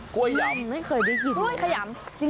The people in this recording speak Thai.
กล้วยยำไม่เคยได้ยิน